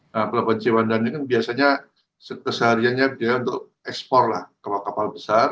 nah pelabuhan ciwandan ini kan biasanya sehariannya dia untuk ekspor lah kalau kapal besar